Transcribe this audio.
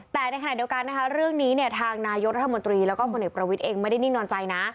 แต่ในขณะเดียวกันเรื่องนี้ทางนายกรรธมตรีและกรมเอกประวิจเองไม่ได้นิ่งนอนใจนะ